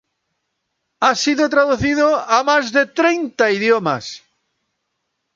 Ha sido traducido a más de treinta idiomas.